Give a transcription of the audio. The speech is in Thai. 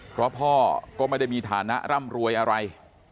เพราะพ่อก็ไม่ได้มีฐานะร่ำรวยอะไร